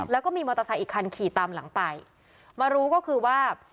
แล้วก็มีมอเตอร์ไซค์อีกคันขี่ตามหลังไปมารู้ก็คือว่า